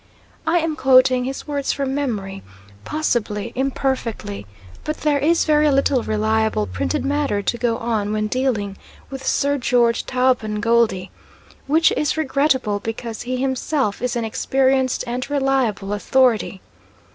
I am quoting his words from memory, possibly imperfectly; but there is very little reliable printed matter to go on when dealing with Sir George Taubman Goldie, which is regrettable because he himself is an experienced and reliable authority.